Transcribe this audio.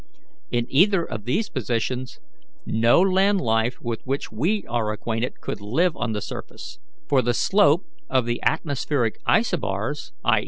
In either of these positions no land life with which we are acquainted could live on the surface; for the slope of the atmospheric isobars i.